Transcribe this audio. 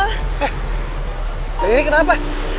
eh ri ri kenapa